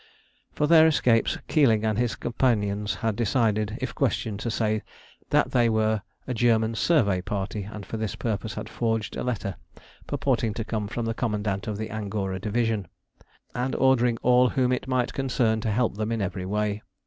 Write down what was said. For their escapes Keeling and his companions had decided, if questioned, to say that they were a German survey party, and for this purpose had forged a letter purporting to come from the commandant of the Angora Division, and ordering all whom it might concern to help them in every way.